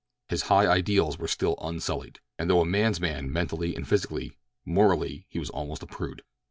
His high ideals were still unsullied, and though a man's man mentally and physically, morally he was almost a prude.